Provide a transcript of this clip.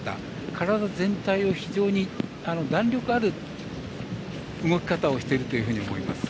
体全体を非常に弾力ある動き方をしていると思います。